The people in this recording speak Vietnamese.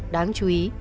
đáng chú ý